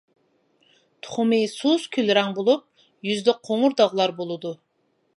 تۇخۇمى سۇس كۈل رەڭ بولۇپ، يۈزىدە قوڭۇر داغلار بولىدۇ.